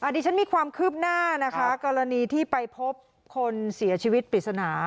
ดิฉันมีความคืบหน้านะคะกรณีที่ไปพบคนเสียชีวิตปริศนา